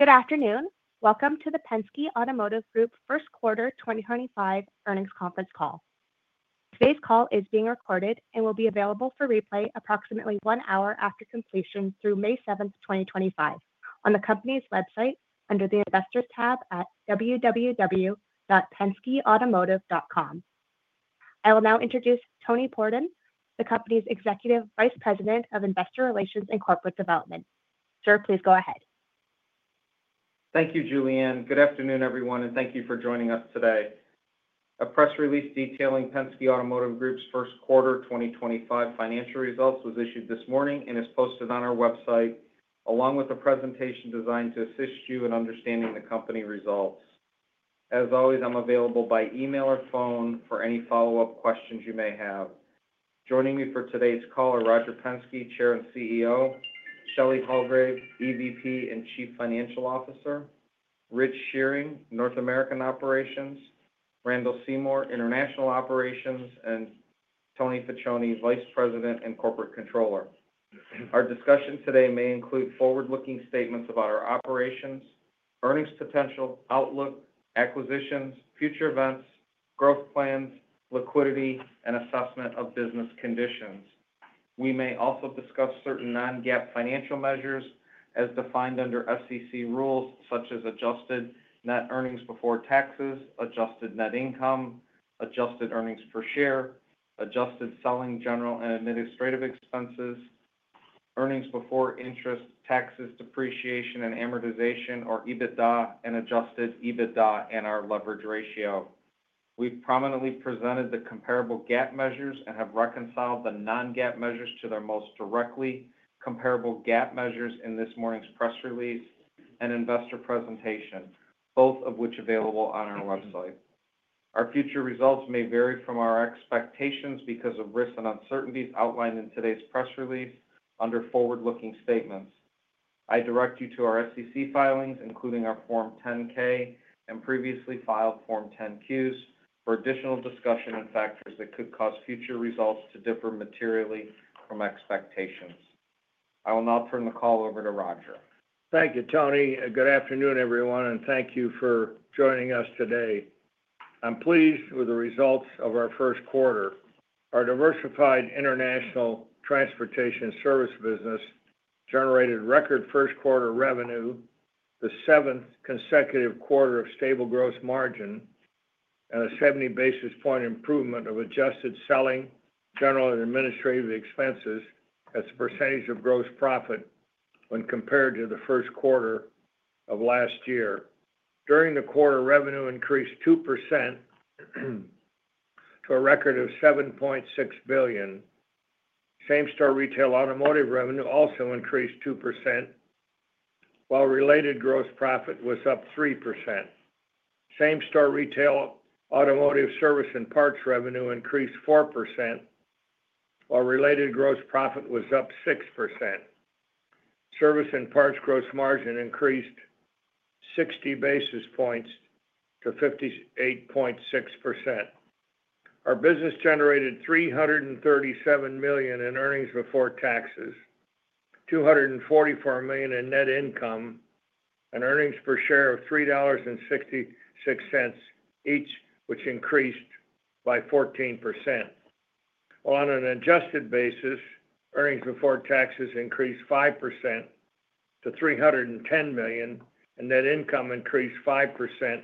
Good afternoon. Welcome to the Penske Automotive Group First Quarter 2025 earnings conference call. Today's call is being recorded and will be available for replay approximately one hour after completion through May 7, 2025, on the company's website under the Investors tab at www.penskeautomotive.com. I will now introduce Tony Pordon, the company's Executive Vice President of Investor Relations and Corporate Development. Sir, please go ahead. Thank you, Julianne. Good afternoon, everyone, and thank you for joining us today. A press release detailing Penske Automotive Group's First Quarter 2025 financial results was issued this morning and is posted on our website, along with a presentation designed to assist you in understanding the company results. As always, I'm available by email or phone for any follow-up questions you may have. Joining me for today's call are Roger Penske, Chair and CEO; Shelley Hulgrave, EVP and Chief Financial Officer; Rich Shearing, North American Operations; Randall Seymore, International Operations; and Tony Facione, Vice President and Corporate Controller. Our discussion today may include forward-looking statements about our operations, earnings potential, outlook, acquisitions, future events, growth plans, liquidity, and assessment of business conditions. We may also discuss certain non-GAAP financial measures as defined under SEC rules, such as adjusted net earnings before taxes, adjusted net income, adjusted earnings per share, adjusted selling, general and administrative expenses, earnings before interest, taxes, depreciation and amortization, or EBITDA, and adjusted EBITDA and our leverage ratio. We've prominently presented the comparable GAAP measures and have reconciled the non-GAAP measures to their most directly comparable GAAP measures in this morning's press release and investor presentation, both of which are available on our website. Our future results may vary from our expectations because of risks and uncertainties outlined in today's press release under forward-looking statements. I direct you to our SEC filings, including our Form 10-K and previously filed Form 10-Qs, for additional discussion and factors that could cause future results to differ materially from expectations. I will now turn the call over to Roger. Thank you, Tony. Good afternoon, everyone, and thank you for joining us today. I'm pleased with the results of our first quarter. Our diversified international transportation service business generated record first quarter revenue, the seventh consecutive quarter of stable gross margin, and a 70-basis-point improvement of adjusted selling, general, and administrative expenses as a percentage of gross profit when compared to the first quarter of last year. During the quarter, revenue increased 2% to a record of $7.6 billion. Same-store retail automotive revenue also increased 2%, while related gross profit was up 3%. Same-store retail automotive service and parts revenue increased 4%, while related gross profit was up 6%. Service and parts gross margin increased 60 basis points to 58.6%. Our business generated $337 million in earnings before taxes, $244 million in net income, and earnings per share of $3.66 each, which increased by 14%. On an adjusted basis, earnings before taxes increased 5% to $310 million, and net income increased 5%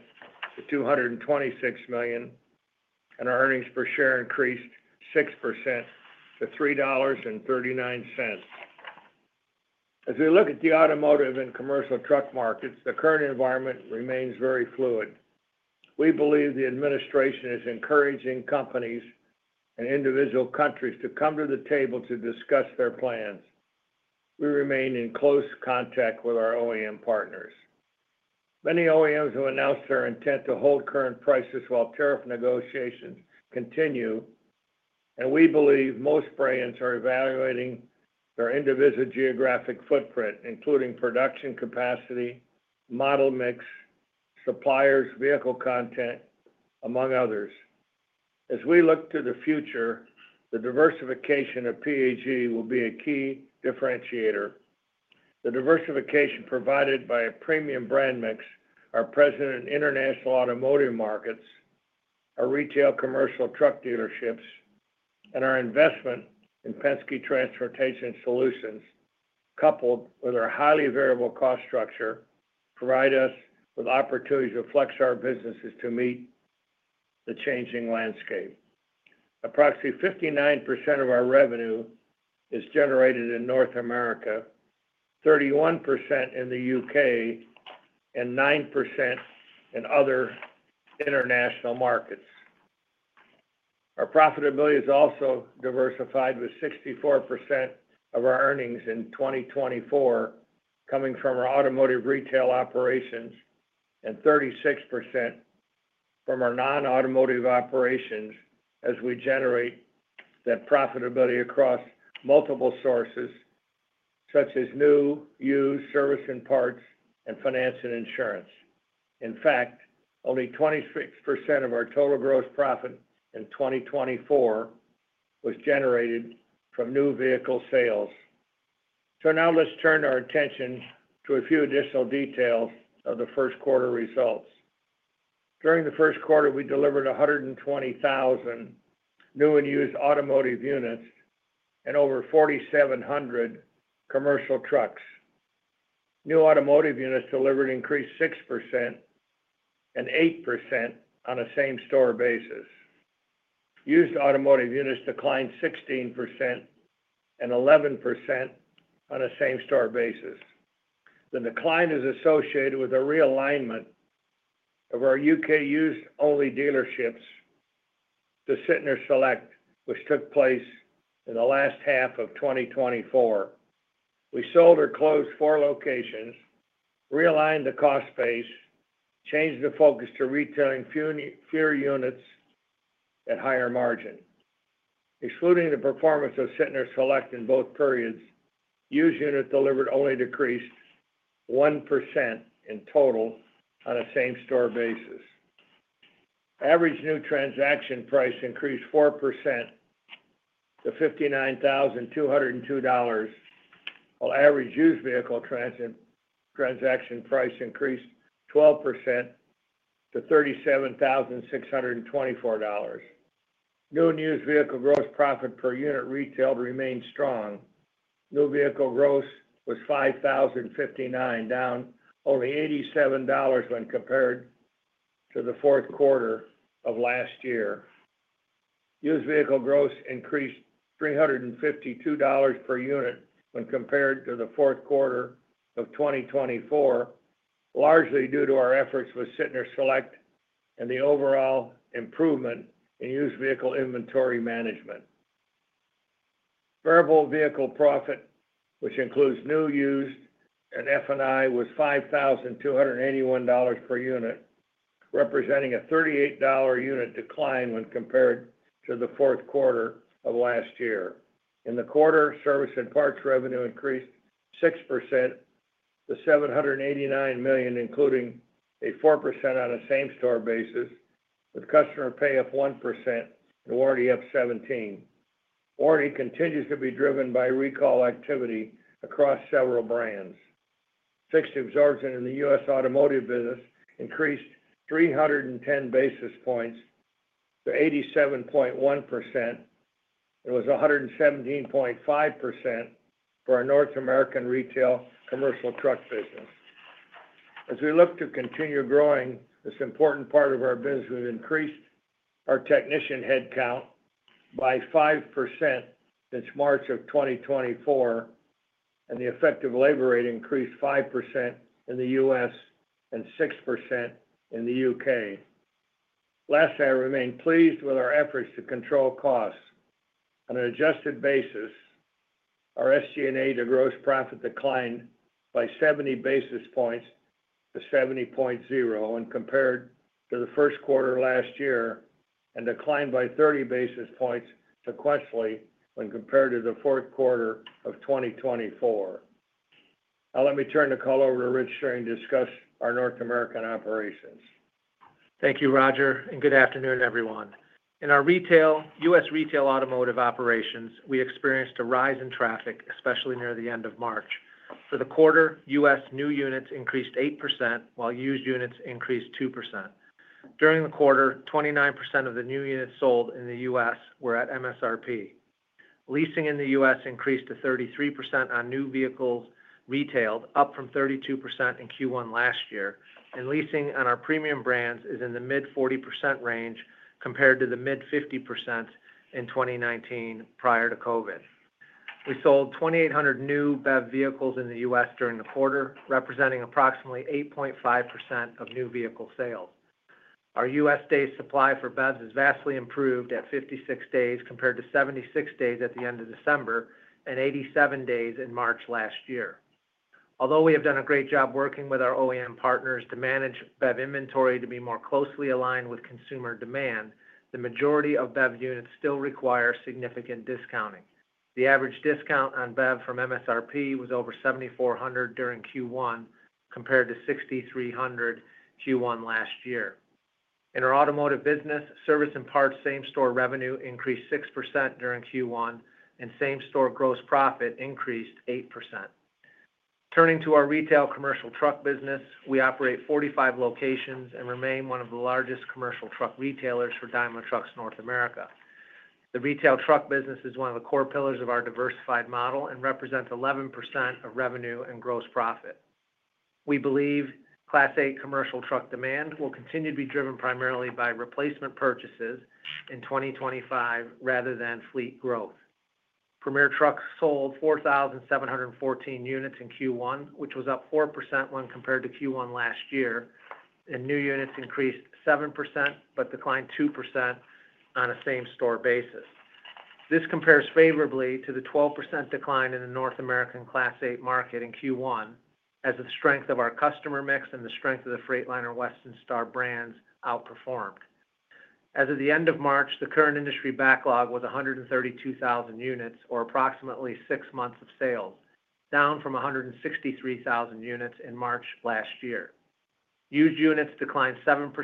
to $226 million, and our earnings per share increased 6% to $3.39. As we look at the automotive and commercial truck markets, the current environment remains very fluid. We believe the administration is encouraging companies and individual countries to come to the table to discuss their plans. We remain in close contact with our OEM partners. Many OEMs have announced their intent to hold current prices while tariff negotiations continue, and we believe most brands are evaluating their individual geographic footprint, including production capacity, model mix, suppliers, vehicle content, among others. As we look to the future, the diversification of PAG will be a key differentiator. The diversification provided by a premium brand mix is present in international automotive markets, our retail commercial truck dealerships, and our investment in Penske Transportation Solutions, coupled with our highly variable cost structure, provides us with opportunities to flex our businesses to meet the changing landscape. Approximately 59% of our revenue is generated in North America, 31% in the U.K., and 9% in other international markets. Our profitability is also diversified with 64% of our earnings in 2024 coming from our automotive retail operations and 36% from our non-automotive operations as we generate that profitability across multiple sources, such as new, used, service and parts, and finance and insurance. In fact, only 26% of our total gross profit in 2024 was generated from new vehicle sales. Now let's turn our attention to a few additional details of the first quarter results. During the first quarter, we delivered 120,000 new and used automotive units and over 4,700 commercial trucks. New automotive units delivered increased 6% and 8% on a same-store basis. Used automotive units declined 16% and 11% on a same-store basis. The decline is associated with a realignment of our U.K. used-only dealerships to Sytner Select, which took place in the last half of 2024. We sold or closed four locations, realigned the cost base, changed the focus to retailing fewer units at higher margin. Excluding the performance of Sytner Select in both periods, used units delivered only decreased 1% in total on a same-store basis. Average new transaction price increased 4% to $59,202, while average used vehicle transaction price increased 12% to $37,624. New and used vehicle gross profit per unit retailed remained strong. New vehicle gross was $5,059, down only $87 when compared to the fourth quarter of last year. Used vehicle gross increased $352 per unit when compared to the fourth quarter of 2024, largely due to our efforts with Sytner Select and the overall improvement in used vehicle inventory management. Variable vehicle profit, which includes new, used, and F&I, was $5,281 per unit, representing a $38 unit decline when compared to the fourth quarter of last year. In the quarter, service and parts revenue increased 6% to $789 million, including a 4% on a same-store basis, with customer pay up 1% and warranty up 17%. Warranty continues to be driven by recall activity across several brands. Fixed absorption in the U.S. automotive business increased 310 basis points to 87.1% and was 117.5% for our North American retail commercial truck business. As we look to continue growing this important part of our business, we've increased our technician headcount by 5% since March of 2024, and the effective labor rate increased 5% in the U.S. and 6% in the U.K. Lastly, I remain pleased with our efforts to control costs. On an adjusted basis, our SG&A to gross profit declined by 70 basis points to 70.0% when compared to the first quarter last year and declined by 30 basis points sequentially when compared to the fourth quarter of 2024. Now let me turn the call over to Rich Shearing to discuss our North American operations. Thank you, Roger, and good afternoon, everyone. In our U.S. retail automotive operations, we experienced a rise in traffic, especially near the end of March. For the quarter, U.S. new units increased 8%, while used units increased 2%. During the quarter, 29% of the new units sold in the U.S. were at MSRP. Leasing in the U.S. increased to 33% on new vehicles retailed, up from 32% in Q1 last year, and leasing on our premium brands is in the mid-40% range compared to the mid-50% in 2019 prior to COVID. We sold 2,800 new BEV vehicles in the U.S. during the quarter, representing approximately 8.5% of new vehicle sales. Our U.S.-day supply for BEVs is vastly improved at 56 days compared to 76 days at the end of December and 87 days in March last year. Although we have done a great job working with our OEM partners to manage BEV inventory to be more closely aligned with consumer demand, the majority of BEV units still require significant discounting. The average discount on BEV from MSRP was over $7,400 during Q1 compared to $6,300 Q1 last year. In our automotive business, service and parts same-store revenue increased 6% during Q1, and same-store gross profit increased 8%. Turning to our retail commercial truck business, we operate 45 locations and remain one of the largest commercial truck retailers for Daimler Trucks North America. The retail truck business is one of the core pillars of our diversified model and represents 11% of revenue and gross profit. We believe Class 8 commercial truck demand will continue to be driven primarily by replacement purchases in 2025 rather than fleet growth. Premier trucks sold 4,714 units in Q1, which was up 4% when compared to Q1 last year, and new units increased 7% but declined 2% on a same-store basis. This compares favorably to the 12% decline in the North American Class 8 market in Q1, as the strength of our customer mix and the strength of the Freightliner-Western Star brands outperformed. As of the end of March, the current industry backlog was 132,000 units, or approximately 6 months of sales, down from 163,000 units in March last year. Used units declined 7%,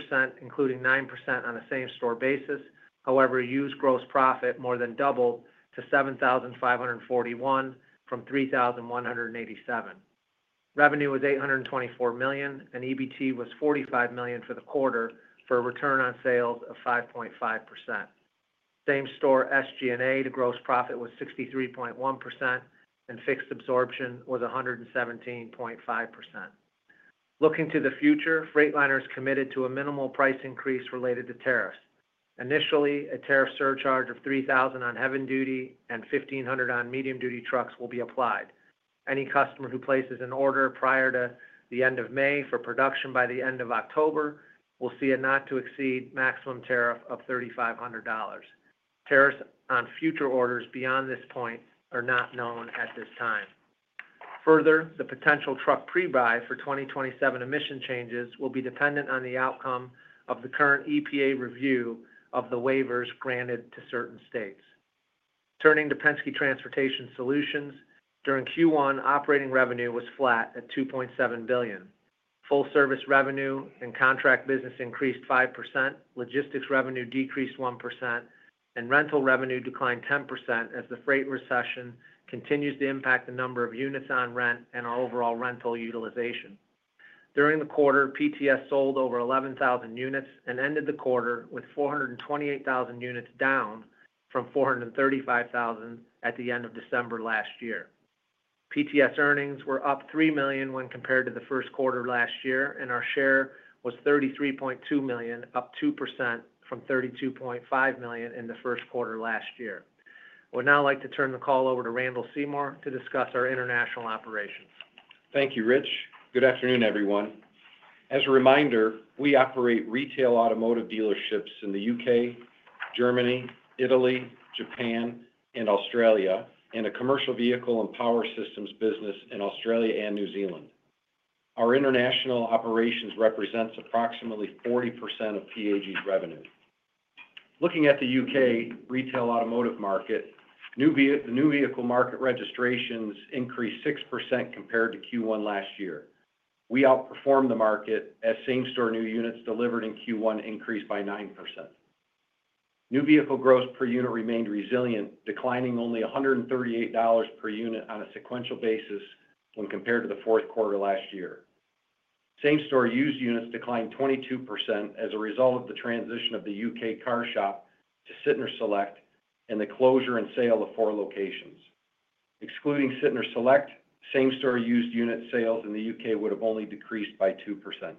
including 9% on a same-store basis; however, used gross profit more than doubled to $7,541 from $3,187. Revenue was $824 million, and EBT was $45 million for the quarter for a return on sales of 5.5%. Same-store SG&A to gross profit was 63.1%, and fixed absorption was 117.5%. Looking to the future, Freightliner is committed to a minimal price increase related to tariffs. Initially, a tariff surcharge of $3,000 on heavy duty and $1,500 on medium duty trucks will be applied. Any customer who places an order prior to the end of May for production by the end of October will see a not-to-exceed maximum tariff of $3,500. Tariffs on future orders beyond this point are not known at this time. Further, the potential truck pre-buy for 2027 emission changes will be dependent on the outcome of the current EPA review of the waivers granted to certain states. Turning to Penske Transportation Solutions, during Q1, operating revenue was flat at $2.7 billion. Full service revenue and contract business increased 5%, logistics revenue decreased 1%, and rental revenue declined 10% as the freight recession continues to impact the number of units on rent and our overall rental utilization. During the quarter, PTS sold over 11,000 units and ended the quarter with 428,000 units, down from 435,000 at the end of December last year. PTS earnings were up $3 million when compared to the first quarter last year, and our share was $33.2 million, up 2% from $32.5 million in the first quarter last year. I would now like to turn the call over to Randall Seymore to discuss our international operations. Thank you, Rich. Good afternoon, everyone. As a reminder, we operate retail automotive dealerships in the U.K., Germany, Italy, Japan, and Australia, and a commercial vehicle and power systems business in Australia and New Zealand. Our international operations represent approximately 40% of PAG's revenue. Looking at the U.K. retail automotive market, the new vehicle market registrations increased 6% compared to Q1 last year. We outperformed the market, as same-store new units delivered in Q1 increased by 9%. New vehicle gross per unit remained resilient, declining only $138 per unit on a sequential basis when compared to the fourth quarter last year. Same-store used units declined 22% as a result of the transition of the U.K. CarShop to Sytner Select and the closure and sale of four locations. Excluding Sytner Select, same-store used unit sales in the U.K. would have only decreased by 2%.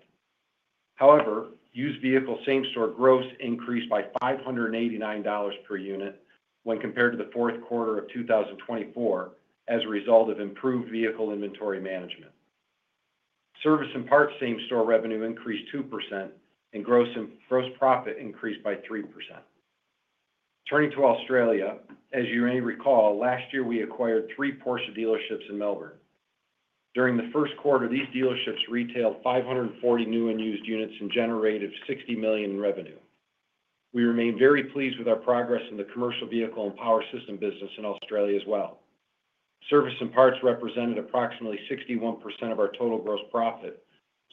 However, used vehicle same-store gross increased by $589 per unit when compared to the fourth quarter of 2024 as a result of improved vehicle inventory management. Service and parts same-store revenue increased 2%, and gross profit increased by 3%. Turning to Australia, as you may recall, last year we acquired three Porsche dealerships in Melbourne. During the first quarter, these dealerships retailed 540 new and used units and generated $60 million in revenue. We remain very pleased with our progress in the commercial vehicle and power system business in Australia as well. Service and parts represented approximately 61% of our total gross profit,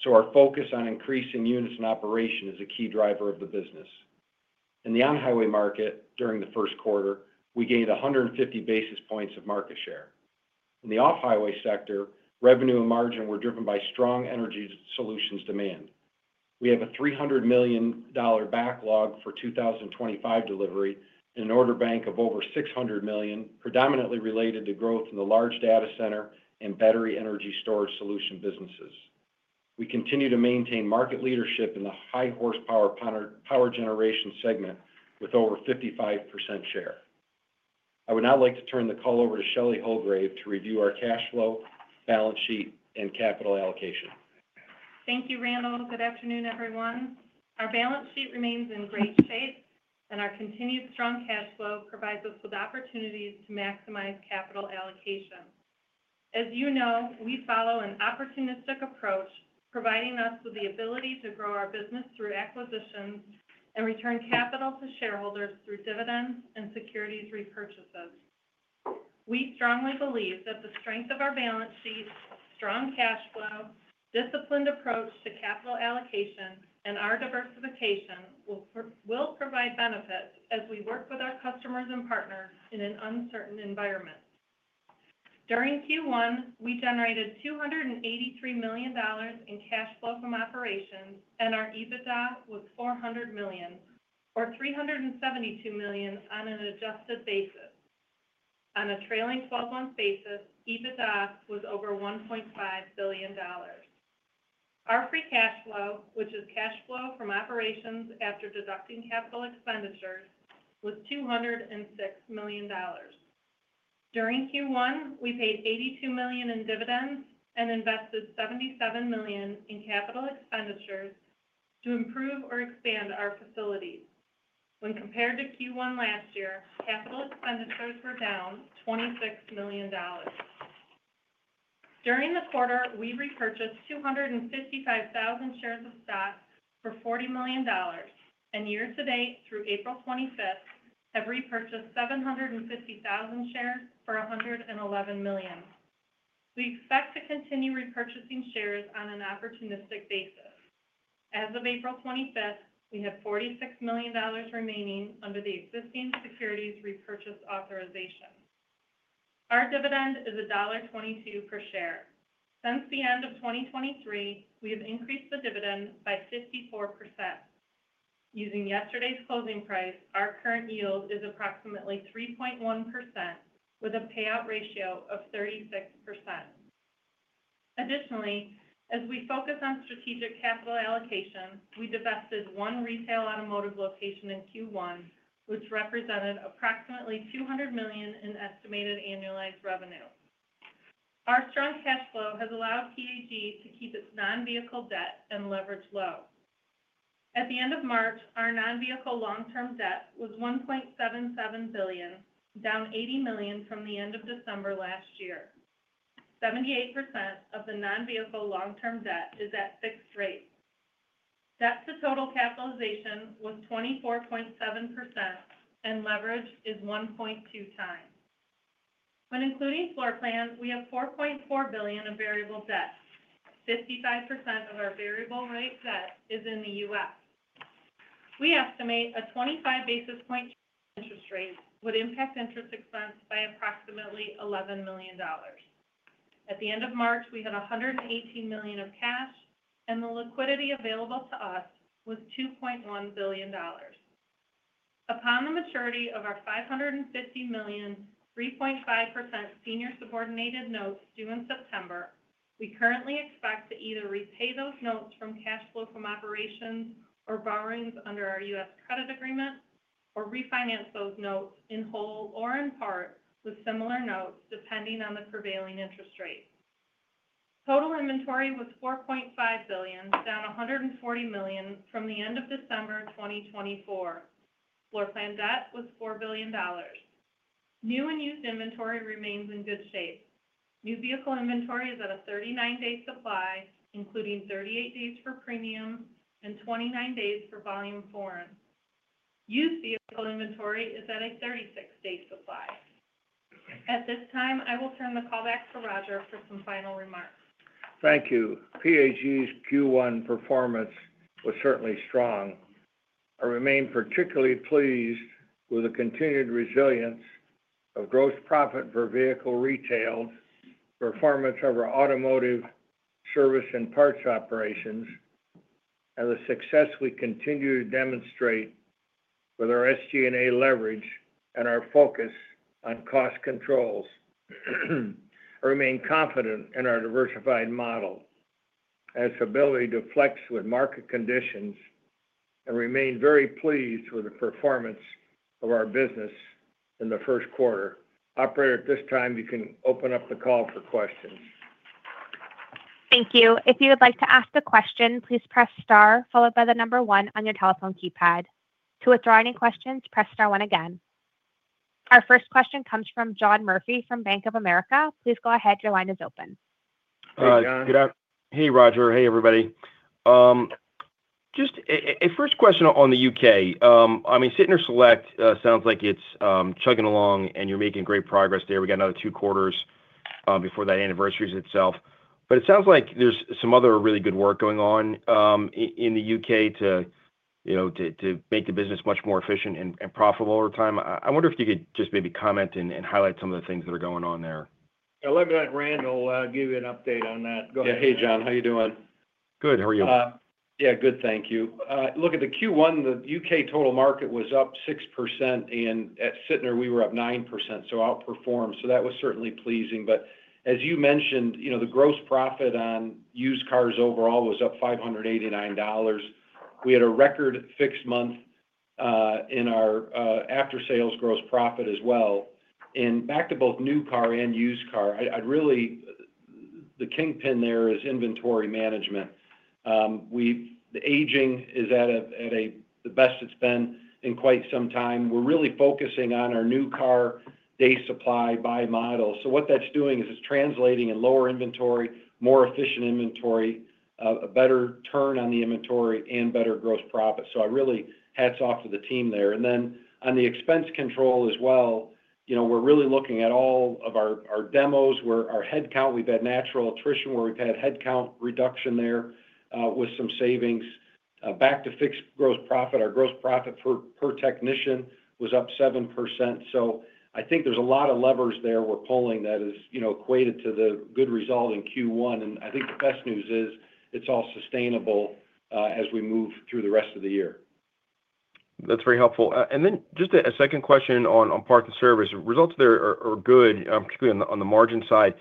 so our focus on increasing units and operation is a key driver of the business. In the on-highway market, during the first quarter, we gained 150 basis points of market share. In the off-highway sector, revenue and margin were driven by strong energy solutions demand. We have a $300 million backlog for 2025 delivery and an order bank of over $600 million, predominantly related to growth in the large data center and battery energy storage solution businesses. We continue to maintain market leadership in the high-horsepower power generation segment with over 55% share. I would now like to turn the call over to Shelley Hulgrave to review our cash flow, balance sheet, and capital allocation. Thank you, Randall. Good afternoon, everyone. Our balance sheet remains in great shape, and our continued strong cash flow provides us with opportunities to maximize capital allocation. As you know, we follow an opportunistic approach, providing us with the ability to grow our business through acquisitions and return capital to shareholders through dividends and securities repurchases. We strongly believe that the strength of our balance sheet, strong cash flow, disciplined approach to capital allocation, and our diversification will provide benefits as we work with our customers and partners in an uncertain environment. During Q1, we generated $283 million in cash flow from operations, and our EBITDA was $400 million, or $372 million on an adjusted basis. On a trailing 12-month basis, EBITDA was over $1.5 billion. Our free cash flow, which is cash flow from operations after deducting capital expenditures, was $206 million. During Q1, we paid $82 million in dividends and invested $77 million in capital expenditures to improve or expand our facilities. When compared to Q1 last year, capital expenditures were down $26 million. During the quarter, we repurchased 255,000 shares of stock for $40 million, and year-to-date through April 25th, have repurchased 750,000 shares for $111 million. We expect to continue repurchasing shares on an opportunistic basis. As of April 25th, we have $46 million remaining under the existing securities repurchase authorization. Our dividend is $1.22 per share. Since the end of 2023, we have increased the dividend by 54%. Using yesterday's closing price, our current yield is approximately 3.1%, with a payout ratio of 36%. Additionally, as we focus on strategic capital allocation, we divested one retail automotive location in Q1, which represented approximately $200 million in estimated annualized revenue. Our strong cash flow has allowed PAG to keep its non-vehicle debt and leverage low. At the end of March, our non-vehicle long-term debt was $1.77 billion, down $80 million from the end of December last year. 78% of the non-vehicle long-term debt is at fixed rate. Debt-to-total capitalization was 24.7%, and leverage is 1.2x. When including floor plan, we have $4.4 billion of variable debt. 55% of our variable rate debt is in the US. We estimate a 25 basis point interest rate would impact interest expense by approximately $11 million. At the end of March, we had $118 million of cash, and the liquidity available to us was $2.1 billion. Upon the maturity of our $550 million, 3.5% senior subordinated notes due in September, we currently expect to either repay those notes from cash flow from operations or borrowings under our U.S. credit agreement, or refinance those notes in whole or in part with similar notes, depending on the prevailing interest rate. Total inventory was $4.5 billion, down $140 million from the end of December 2024. Floor plan debt was $4 billion. New and used inventory remains in good shape. New vehicle inventory is at a 39-day supply, including 38 days for premium and 29 days for volume foreign. Used vehicle inventory is at a 36-day supply. At this time, I will turn the call back to Roger for some final remarks. Thank you. PAG's Q1 performance was certainly strong. I remain particularly pleased with the continued resilience of gross profit for vehicle retails, performance of our automotive service and parts operations, and the success we continue to demonstrate with our SG&A leverage and our focus on cost controls. I remain confident in our diversified model and its ability to flex with market conditions and remain very pleased with the performance of our business in the first quarter. Operator, at this time, you can open up the call for questions. Thank you. If you would like to ask a question, please press star, followed by the number one on your telephone keypad. To withdraw any questions, press star one again. Our first question comes from John Murphy from Bank of America. Please go ahead. Your line is open. Hi, John. Hey, Roger. Hey, everybody. Just a first question on the U.K. I mean, Sytner Select sounds like it's chugging along, and you're making great progress there. We got another two quarters before that anniversary itself. It sounds like there's some other really good work going on in the U.K. to make the business much more efficient and profitable over time. I wonder if you could just maybe comment and highlight some of the things that are going on there. Yeah. Let me let Randall give you an update on that. Go ahead. Yeah. Hey, John. How are you doing? Good. How are you? Yeah. Good. Thank you. Look, at the Q1, the U.K. total market was up 6%, and at Sytner, we were up 9%, so outperformed. That was certainly pleasing. As you mentioned, the gross profit on used cars overall was up $589. We had a record fixed month in our after-sales gross profit as well. Back to both new car and used car, really the kingpin there is inventory management. The aging is at the best it has been in quite some time. We are really focusing on our new car day supply by model. What that is doing is translating in lower inventory, more efficient inventory, a better turn on the inventory, and better gross profit. I really hats off to the team there. On the expense control as well, we're really looking at all of our demos where our headcount, we've had natural attrition where we've had headcount reduction there with some savings. Back to fixed gross profit, our gross profit per technician was up 7%. I think there's a lot of levers there we're pulling that is equated to the good result in Q1. I think the best news is it's all sustainable as we move through the rest of the year. That's very helpful. Just a second question on parts and service. Results there are good, particularly on the margin side.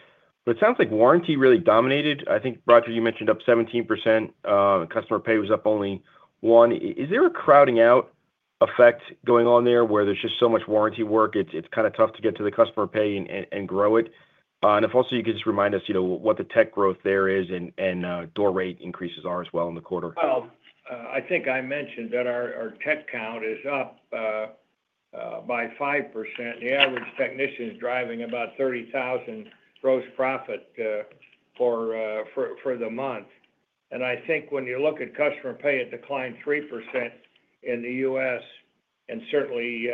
It sounds like warranty really dominated. I think, Roger, you mentioned up 17%. Customer pay was up only 1%. Is there a crowding-out effect going on there where there's just so much warranty work, it's kind of tough to get to the customer pay and grow it? If also, you could just remind us what the tech growth there is and door rate increases are as well in the quarter. I think I mentioned that our tech count is up by 5%. The average technician is driving about $30,000 gross profit for the month. I think when you look at customer pay, it declined 3% in the U.S. and certainly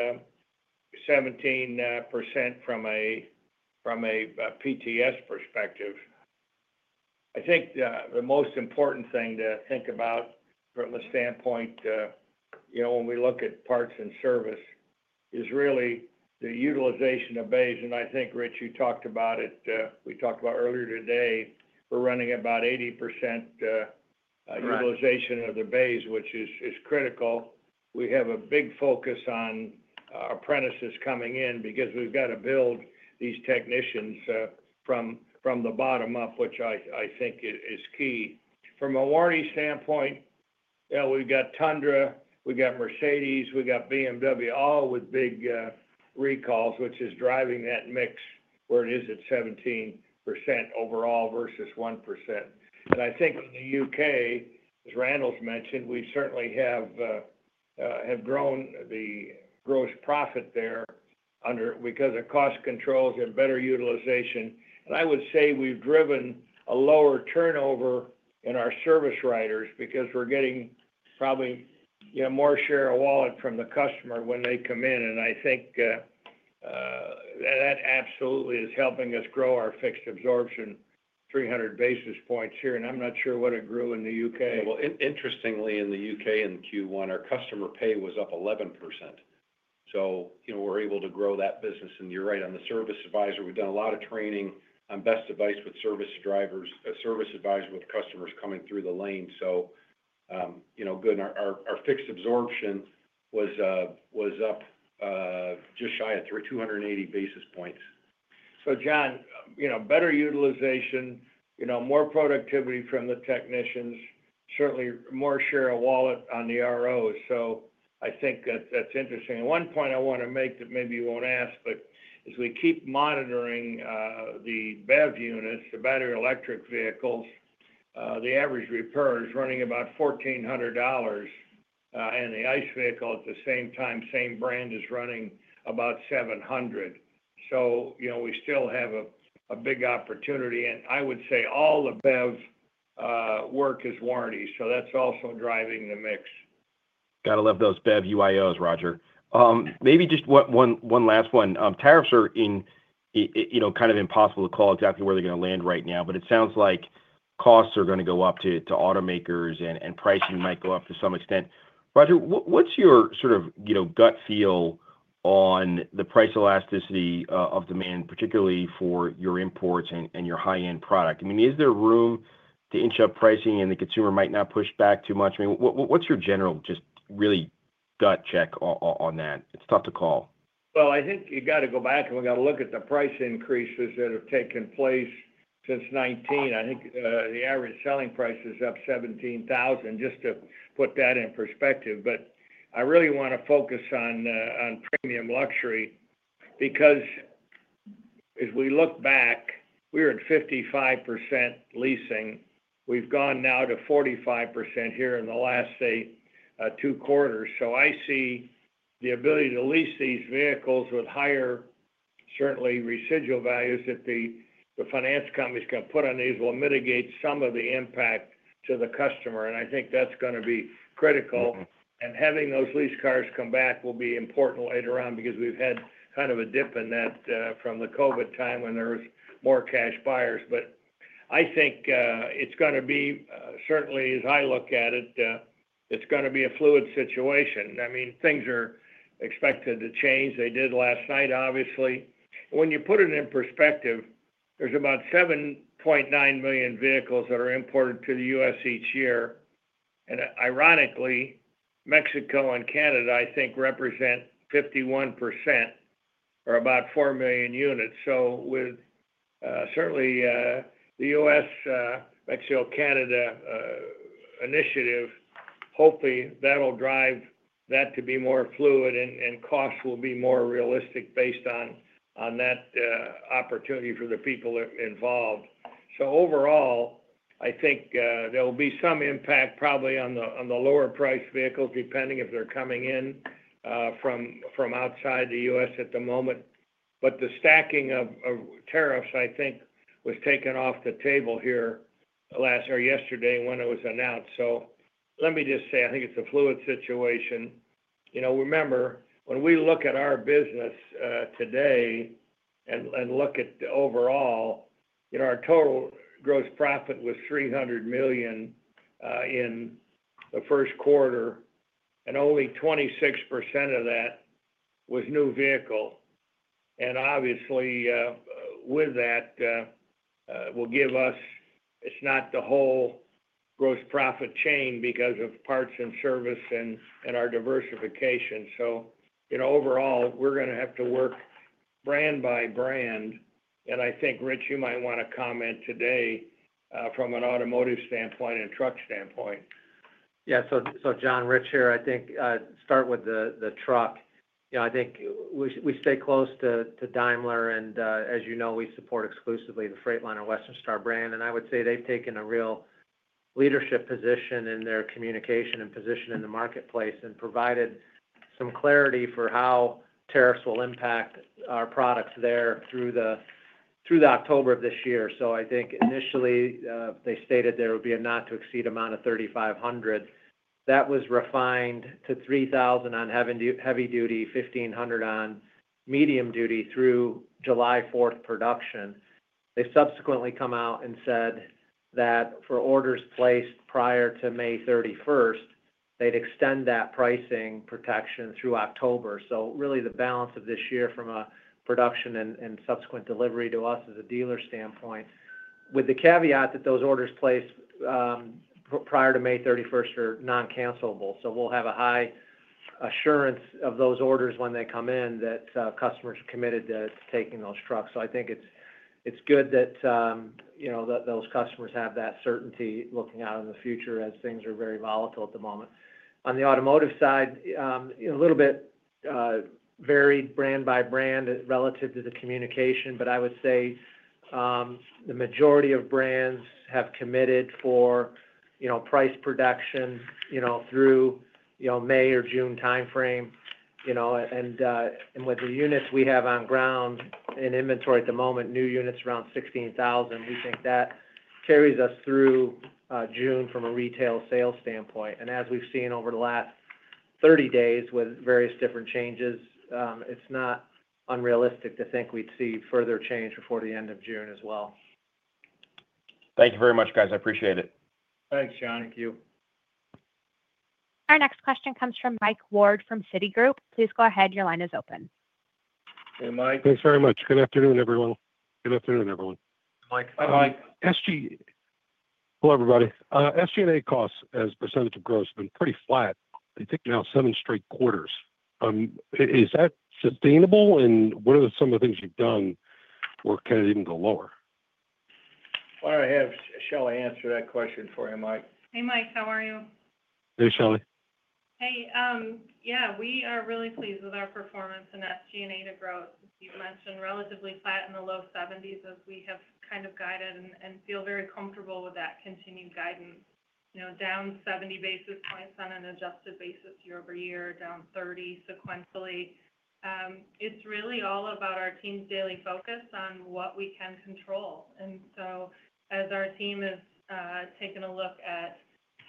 17% from a PTS perspective. I think the most important thing to think about from the standpoint when we look at parts and service is really the utilization of bays. I think, Rich, you talked about it. We talked about earlier today. We're running about 80% utilization of the bays, which is critical. We have a big focus on apprentices coming in because we've got to build these technicians from the bottom up, which I think is key. From a warranty standpoint, we've got Tundra, we've got Mercedes, we've got BMW, all with big recalls, which is driving that mix where it is at 17% overall versus 1%. I think in the U.K., as Randall's mentioned, we certainly have grown the gross profit there because of cost controls and better utilization. I would say we've driven a lower turnover in our service riders because we're getting probably more share of wallet from the customer when they come in. I think that absolutely is helping us grow our fixed absorption 300 basis points here. I'm not sure what it grew in the U.K. Interestingly, in the U.K. in Q1, our customer pay was up 11%. We are able to grow that business. You are right on the service advisor. We have done a lot of training on best advice with service drivers, service advisor with customers coming through the lane. Good. Our fixed absorption was up just shy of 280 basis points. John, better utilization, more productivity from the technicians, certainly more share of wallet on the ROs. I think that's interesting. One point I want to make that maybe you won't ask, but as we keep monitoring the BEV units, the battery electric vehicles, the average repair is running about $1,400. The ICE vehicle at the same time, same brand, is running about $700. We still have a big opportunity. I would say all the BEV work is warranty. That's also driving the mix. Got to love those BEV UIOs, Roger. Maybe just one last one. Tariffs are kind of impossible to call exactly where they're going to land right now, but it sounds like costs are going to go up to automakers and pricing might go up to some extent. Roger, what's your sort of gut feel on the price elasticity of demand, particularly for your imports and your high-end product? I mean, is there room to inch up pricing and the consumer might not push back too much? I mean, what's your general just really gut check on that? It's tough to call. I think you got to go back and we got to look at the price increases that have taken place since 2019. I think the average selling price is up $17,000, just to put that in perspective. I really want to focus on premium luxury because as we look back, we were at 55% leasing. We've gone now to 45% here in the last two quarters. I see the ability to lease these vehicles with higher, certainly, residual values that the finance company is going to put on these will mitigate some of the impact to the customer. I think that's going to be critical. Having those lease cars come back will be important later on because we've had kind of a dip in that from the COVID time when there were more cash buyers. I think it's going to be, certainly, as I look at it, it's going to be a fluid situation. I mean, things are expected to change. They did last night, obviously. When you put it in perspective, there's about 7.9 million vehicles that are imported to the U.S. each year. Ironically, Mexico and Canada, I think, represent 51% or about 4 million units. With certainly the U.S., Mexico, Canada initiative, hopefully that'll drive that to be more fluid and costs will be more realistic based on that opportunity for the people involved. Overall, I think there will be some impact probably on the lower price vehicles depending if they're coming in from outside the U.S. at the moment. The stacking of tariffs, I think, was taken off the table here last or yesterday when it was announced. Let me just say, I think it's a fluid situation. Remember, when we look at our business today and look at overall, our total gross profit was $300 million in the first quarter, and only 26% of that was new vehicle. Obviously, with that, it will give us, it's not the whole gross profit chain because of parts and service and our diversification. Overall, we're going to have to work brand by brand. I think, Rich, you might want to comment today from an automotive standpoint and truck standpoint. Yeah. John, Rich here, I think start with the truck. I think we stay close to Daimler, and as you know, we support exclusively the Freightliner-Western Star brand. I would say they've taken a real leadership position in their communication and position in the marketplace and provided some clarity for how tariffs will impact our products there through October of this year. I think initially they stated there would be a not to exceed amount of $3,500. That was refined to $3,000 on heavy duty, $1,500 on medium duty through July 4th production. They subsequently come out and said that for orders placed prior to May 31st, they'd extend that pricing protection through October. Really the balance of this year from a production and subsequent delivery to us as a dealer standpoint, with the caveat that those orders placed prior to May 31st are non-cancelable. We will have a high assurance of those orders when they come in that customers are committed to taking those trucks. I think it is good that those customers have that certainty looking out in the future as things are very volatile at the moment. On the automotive side, a little bit varied brand by brand relative to the communication, but I would say the majority of brands have committed for price production through May or June timeframe. With the units we have on ground in inventory at the moment, new units around 16,000, we think that carries us through June from a retail sales standpoint. As we have seen over the last 30 days with various different changes, it is not unrealistic to think we would see further change before the end of June as well. Thank you very much, guys. I appreciate it. Thanks, John. Our next question comes from Mike Ward from Citigroup. Please go ahead. Your line is open. Hey, Mike. Thanks very much. Good afternoon, everyone. Mike. Hi, Mike. Hi, everybody. SG&A costs as a percentage of gross has been pretty flat. I think now seven straight quarters. Is that sustainable? What are some of the things you've done where it can even go lower? I have Shelley answer that question for you, Mike. Hey, Mike. How are you? Hey, Shelley. Hey. Yeah. We are really pleased with our performance in SG&A to growth. You've mentioned relatively flat in the low 70s as we have kind of guided and feel very comfortable with that continued guidance. Down 70 basis points on an adjusted basis year-over-year, down 30 sequentially. It's really all about our team's daily focus on what we can control. As our team is taking a look at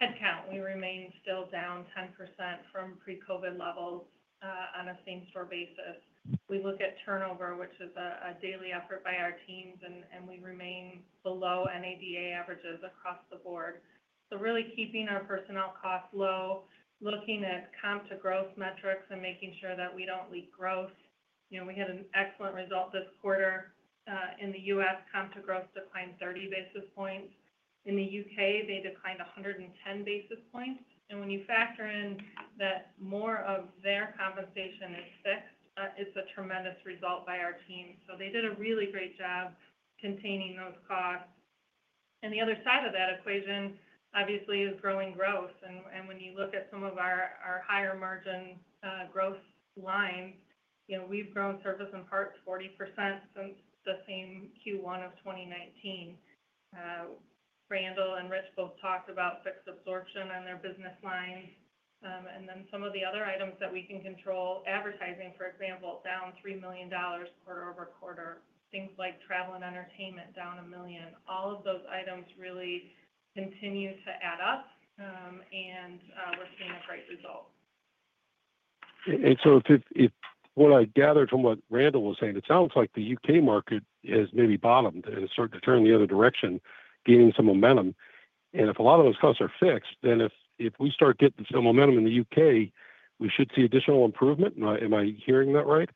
headcount, we remain still down 10% from pre-COVID levels on a same-store basis. We look at turnover, which is a daily effort by our teams, and we remain below NADA averages across the board. Really keeping our personnel costs low, looking at comp-to-growth metrics and making sure that we don't leak growth. We had an excellent result this quarter. In the U.S., comp-to-growth declined 30 basis points. In the U.K., they declined 110 basis points. When you factor in that more of their compensation is fixed, it's a tremendous result by our team. They did a really great job containing those costs. The other side of that equation, obviously, is growing growth. When you look at some of our higher margin growth lines, we've grown service and parts 40% since the same Q1 of 2019. Randall and Rich both talked about fixed absorption on their business lines. Some of the other items that we can control, advertising, for example, down $3 million quarter-over-quarter. Things like travel and entertainment down $1 million. All of those items really continue to add up, and we're seeing a bright result. What I gathered from what Randall was saying, it sounds like the U.K. market has maybe bottomed and is starting to turn the other direction, gaining some momentum. If a lot of those costs are fixed, then if we start getting some momentum in the U.K., we should see additional improvement. Am I hearing that right?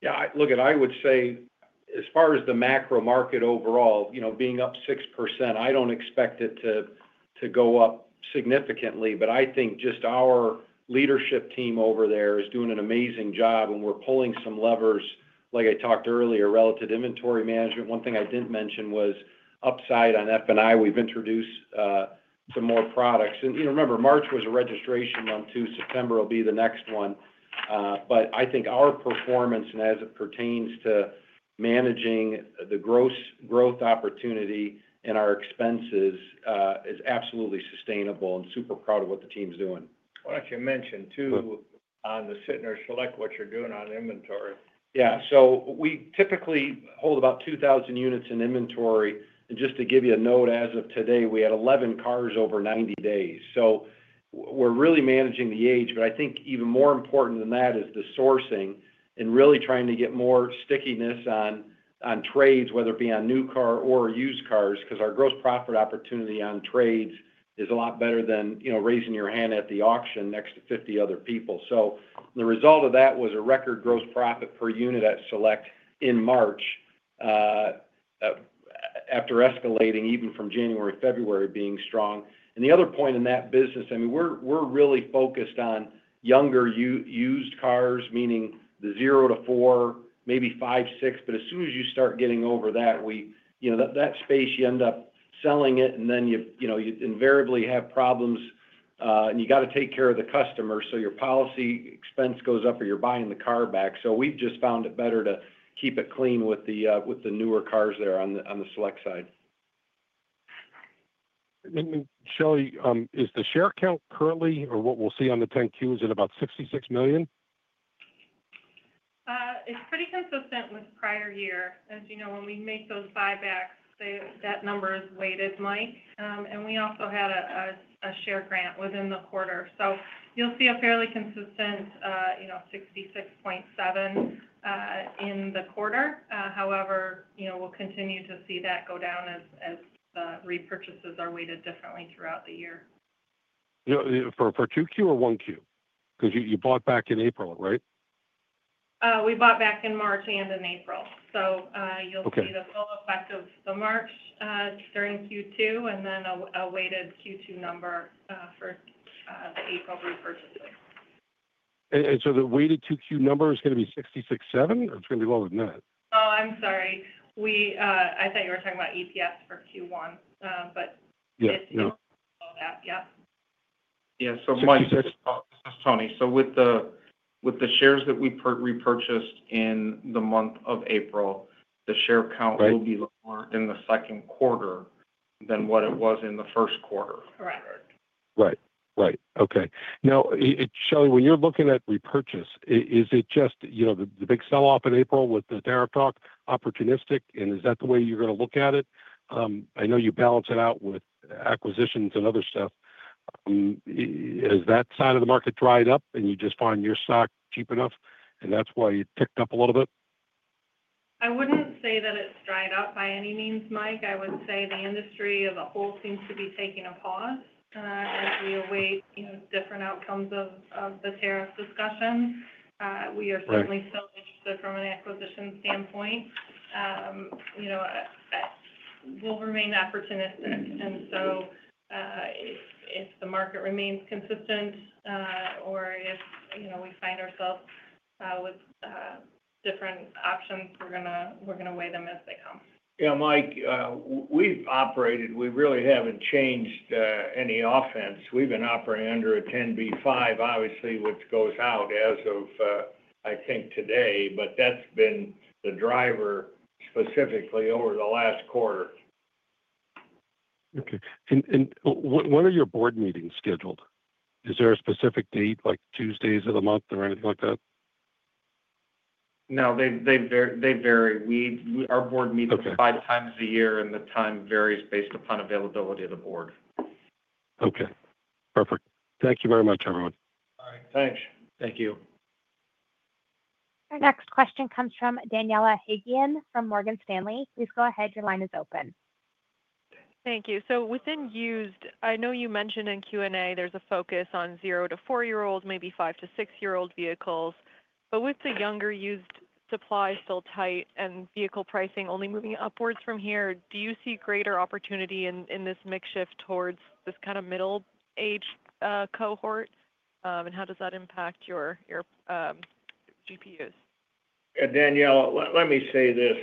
Yeah. Look, I would say as far as the macro market overall, being up 6%, I don't expect it to go up significantly. I think just our leadership team over there is doing an amazing job, and we're pulling some levers, like I talked earlier, relative to inventory management. One thing I didn't mention was upside on F&I. We've introduced some more products. Remember, March was a registration month, too. September will be the next one. I think our performance and as it pertains to managing the gross growth opportunity and our expenses is absolutely sustainable and super proud of what the team's doing. I should mention, too, on the Sytner Select what you're doing on inventory. Yeah. We typically hold about 2,000 units in inventory. Just to give you a note, as of today, we had 11 cars over 90 days. We are really managing the age. I think even more important than that is the sourcing and really trying to get more stickiness on trades, whether it be on new car or used cars, because our gross profit opportunity on trades is a lot better than raising your hand at the auction next to 50 other people. The result of that was a record gross profit per unit at Select in March after escalating even from January, February being strong. The other point in that business, I mean, we are really focused on younger used cars, meaning the 0-4, maybe 5, 6. As soon as you start getting over that, that space, you end up selling it, and then you invariably have problems, and you got to take care of the customer. Your policy expense goes up or you're buying the car back. We have just found it better to keep it clean with the newer cars there on the Select side. Shelley, is the share count currently or what we'll see on the 10-Q is it about 66 million? It's pretty consistent with prior year. As you know, when we make those buybacks, that number is weighted, Mike. And we also had a share grant within the quarter. So you'll see a fairly consistent 66.7% in the quarter. However, we'll continue to see that go down as the repurchases are weighted differently throughout the year. For 2Q or 1Q? Because you bought back in April, right? We bought back in March and in April. You will see the full effect of the March during Q2 and then a weighted Q2 number for the April repurchases. Is the weighted Q2 number going to be 66.7 or is it going to be lower than that? Oh, I'm sorry. I thought you were talking about EPS for Q1, but it's all that. Yeah. Yeah. So Mike. This is Tony. With the shares that we repurchased in the month of April, the share count will be lower in the second quarter than what it was in the first quarter. Correct. Right. Right. Okay. Now, Shelley, when you're looking at repurchase, is it just the big sell-off in April with the tariff talk, opportunistic, and is that the way you're going to look at it? I know you balance it out with acquisitions and other stuff. Has that side of the market dried up and you just find your stock cheap enough and that's why it ticked up a little bit? I would not say that it is dried up by any means, Mike. I would say the industry as a whole seems to be taking a pause as we await different outcomes of the tariff discussion. We are certainly still interested from an acquisition standpoint. We will remain opportunistic. If the market remains consistent or if we find ourselves with different options, we are going to weigh them as they come. Yeah. Mike, we've operated. We really haven't changed any offense. We've been operating under a 10b5, obviously, which goes out as of, I think, today, but that's been the driver specifically over the last quarter. Okay. When are your board meetings scheduled? Is there a specific date, like Tuesdays of the month or anything like that? No, they vary. Our board meetings are five times a year, and the time varies based upon availability of the board. Okay. Perfect. Thank you very much, everyone. All right. Thanks. Thank you. Our next question comes from Daniela Haigian from Morgan Stanley. Please go ahead. Your line is open. Thank you. Within used, I know you mentioned in Q&A there's a focus on 0- to 4-year-old, maybe 5- to 6-year-old vehicles. With the younger used supply still tight and vehicle pricing only moving upwards from here, do you see greater opportunity in this makeshift towards this kind of middle-aged cohort? How does that impact your GPUs? Daniela, let me say this.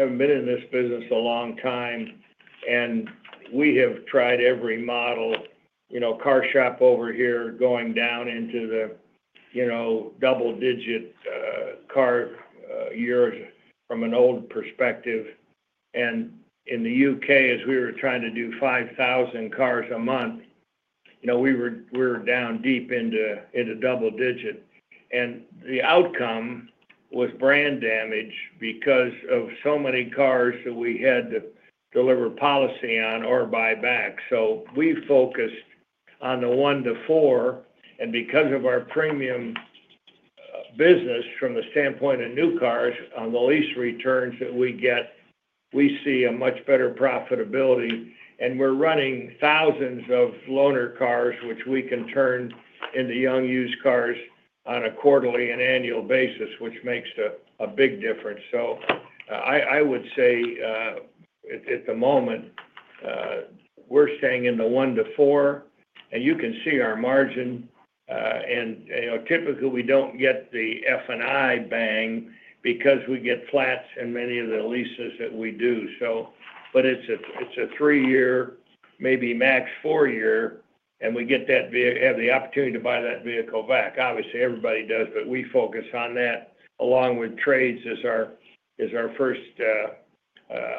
I've been in this business a long time, and we have tried every model. CarShop over here going down into the double-digit car years from an old perspective. In the U.K., as we were trying to do 5,000 cars a month, we were down deep into double-digit. The outcome was brand damage because of so many cars that we had to deliver policy on or buy back. We focused on the 1-4. Because of our premium business from the standpoint of new cars, on the lease returns that we get, we see a much better profitability. We're running thousands of loaner cars, which we can turn into young used cars on a quarterly and annual basis, which makes a big difference. I would say at the moment, we're staying in the 1-4, and you can see our margin. Typically, we don't get the F&I bang because we get flats in many of the leases that we do. It is a 3-year, maybe max 4-year, and we have the opportunity to buy that vehicle back. Obviously, everybody does, but we focus on that along with trades as our first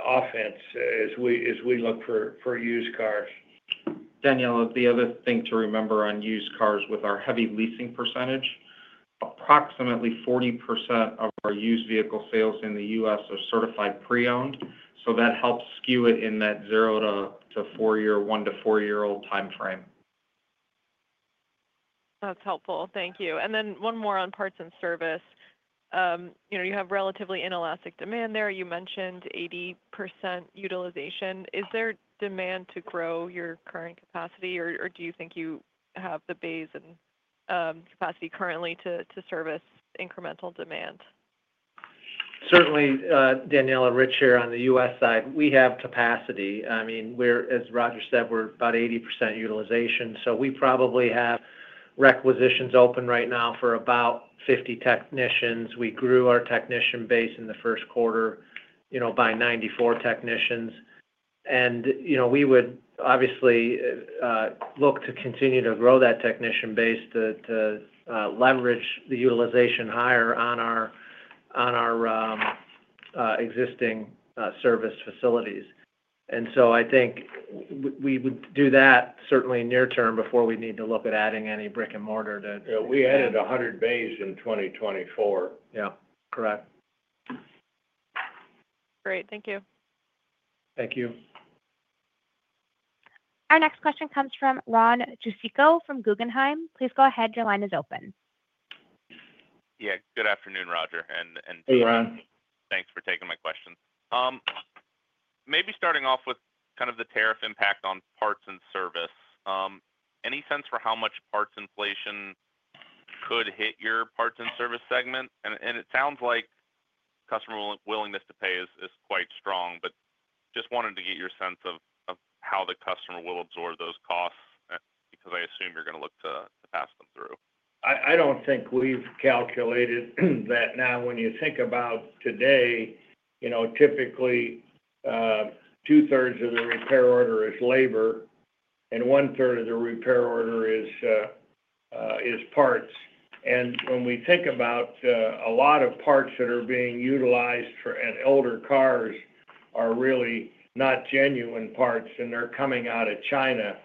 offense as we look for used cars. Daniela, the other thing to remember on used cars with our heavy leasing percentage, approximately 40% of our used vehicle sales in the U.S. are certified pre-owned. That helps skew it in that 0- to 4-year, 1- to 4-year-old timeframe. That's helpful. Thank you. One more on parts and service. You have relatively inelastic demand there. You mentioned 80% utilization. Is there demand to grow your current capacity, or do you think you have the base and capacity currently to service incremental demand? Certainly, Daniela, Rich here on the U.S. side. We have capacity. I mean, as Roger said, we're about 80% utilization. We probably have requisitions open right now for about 50 technicians. We grew our technician base in the first quarter by 94 technicians. We would obviously look to continue to grow that technician base to leverage the utilization higher on our existing service facilities. I think we would do that certainly near term before we need to look at adding any brick and mortar to. Yeah. We added 100 base in 2024. Yeah. Correct. Great. Thank you. Thank you. Our next question comes from Ron Jewsikow from Guggenheim. Please go ahead. Your line is open. Yeah. Good afternoon, Roger. Hey, Ron. Thanks for taking my question. Maybe starting off with kind of the tariff impact on parts and service. Any sense for how much parts inflation could hit your parts and service segment? It sounds like customer willingness to pay is quite strong, but just wanted to get your sense of how the customer will absorb those costs because I assume you're going to look to pass them through. I don't think we've calculated that. Now, when you think about today, typically two-thirds of the repair order is labor, and one-third of the repair order is parts. When we think about a lot of parts that are being utilized for older cars, they are really not genuine parts, and they're coming out of China.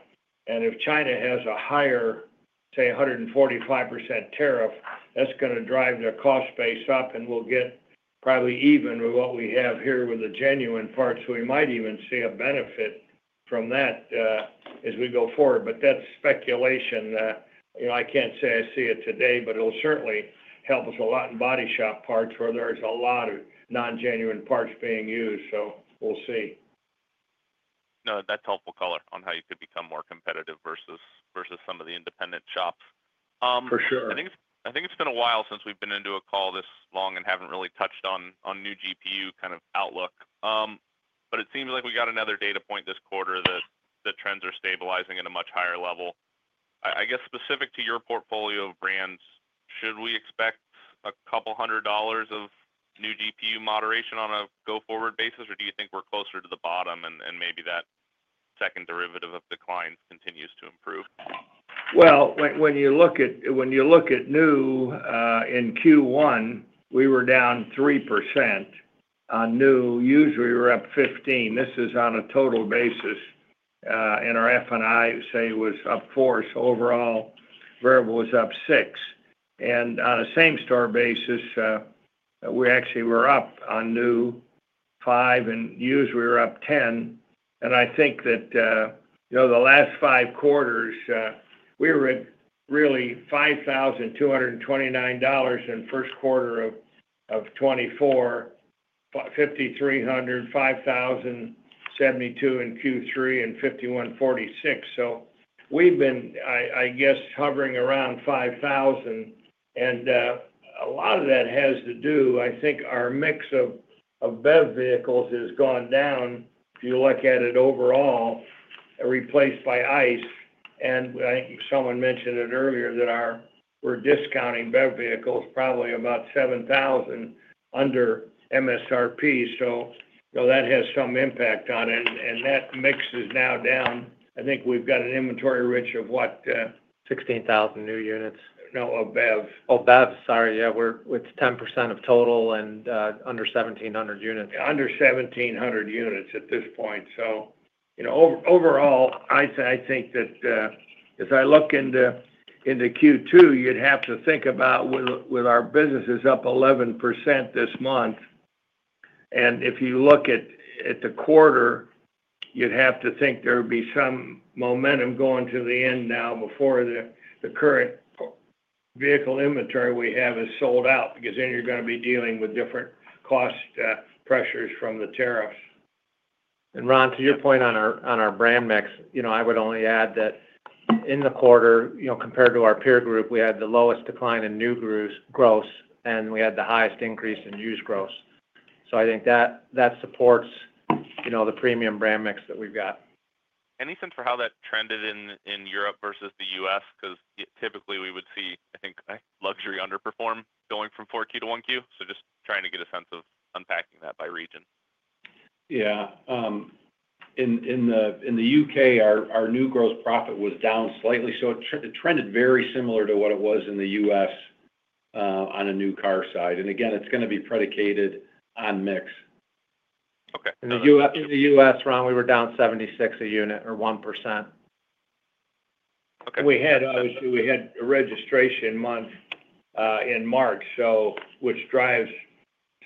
If China has a higher, say, 145% tariff, that's going to drive their cost base up, and we'll get probably even with what we have here with the genuine parts. We might even see a benefit from that as we go forward. That is speculation. I can't say I see it today, but it will certainly help us a lot in body shop parts where there's a lot of non-genuine parts being used. We will see. No, that's helpful color on how you could become more competitive versus some of the independent shops. For sure. I think it's been a while since we've been into a call this long and haven't really touched on new GPU kind of outlook. It seems like we got another data point this quarter that trends are stabilizing at a much higher level. I guess specific to your portfolio of brands, should we expect a couple hundred dollars of new GPU moderation on a go-forward basis, or do you think we're closer to the bottom and maybe that second derivative of declines continues to improve? When you look at new in Q1, we were down 3% on new. Usually, we were up 15. This is on a total basis. Our F&I, say, was up 4%. Overall, variable was up 6%. On a same-store basis, we actually were up on new 5%, and usually, we were up 10%. I think that the last five quarters, we were at really $5,229 in first quarter of 2024, $5,300, $5,072 in Q3, and $5,146. We have been, I guess, hovering around $5,000. A lot of that has to do, I think, our mix of BEV vehicles has gone down if you look at it overall and replaced by ICE. I think someone mentioned it earlier that we are discounting BEV vehicles probably about $7,000 under MSRP. That has some impact on it. That mix is now down. I think we've got an inventory, Rich, of what? Sixteen thousand new units. No, of BEV. Oh, BEV. Sorry. Yeah. It's 10% of total and under 1,700 units. Under 1,700 units at this point. Overall, I think that as I look into Q2, you'd have to think about with our businesses up 11% this month. If you look at the quarter, you'd have to think there would be some momentum going to the end now before the current vehicle inventory we have is sold out because then you're going to be dealing with different cost pressures from the tariffs. Ron, to your point on our brand mix, I would only add that in the quarter, compared to our peer group, we had the lowest decline in new gross, and we had the highest increase in used gross. I think that supports the premium brand mix that we've got. Any sense for how that trended in Europe versus the U.S.? Because typically, we would see, I think, luxury underperform going from 4Q to 1Q. Just trying to get a sense of unpacking that by region. Yeah. In the U.K., our new gross profit was down slightly. It trended very similar to what it was in the U.S. on a new car side. Again, it's going to be predicated on mix. Okay. In the U.S., Ron, we were down $76 a unit or 1%. We had a registration month in March, which drives